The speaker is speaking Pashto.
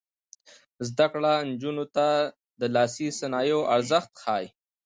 زده کړه نجونو ته د لاسي صنایعو ارزښت ښيي.